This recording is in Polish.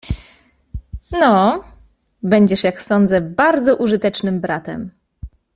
"No, będziesz, jak sądzę, bardzo użytecznym bratem."